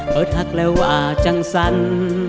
เผิดหักแล้วอาจังสรรค์